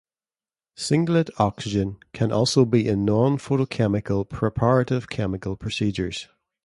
Singlet oxygen can also be in non-photochemical, preparative chemical procedures.